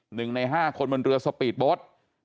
หนึ่งในห้าคนบนเรือสปีดโบ๊ท